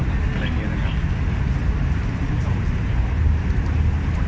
อะไรเบี้ยนนะครับ